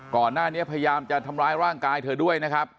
ก่อนหน้านี้พยายามจะทำร้ายร่างกายเธอด้วยนะครับ